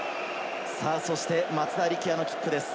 松田力也のキックです。